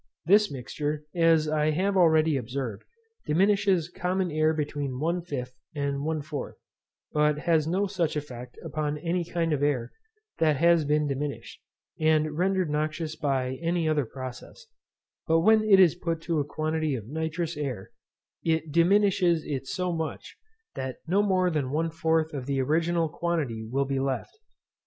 This mixture, as I have already observed, diminishes common air between one fifth and one fourth, but has no such effect upon any kind of air that has been diminished, and rendered noxious by any other process; but when it is put to a quantity of nitrous air, it diminishes it so much, that no more than one fourth of the original quantity will be left.